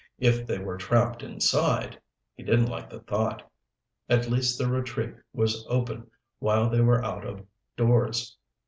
If they were trapped inside ... he didn't like the thought. At least their retreat was open while they were out of doors.